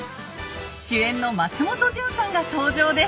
主演の松本潤さんが登場です。